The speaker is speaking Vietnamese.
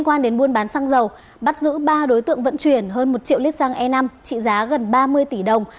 quan đến buôn bán xăng dầu bắt giữ ba đối tượng vận chuyển hơn một triệu lít xăng e năm trị giá gần ba mươi tỷ đồng